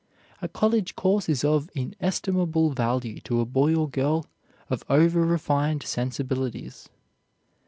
A college course is of inestimable value to a boy or girl of over refined sensibilities.